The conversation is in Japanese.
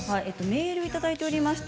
メールをいただいています。